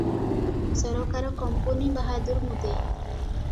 ସରକାର କମ୍ପୁନୀ ବାହାଦୂର ମୁଦେଇ ।